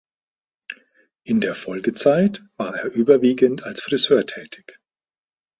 In der Folgezeit war er überwiegend als Friseur tätig.